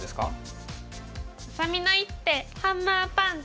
あさみの一手ハンマーパンチ！